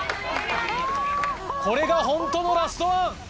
これがホントのラストワン。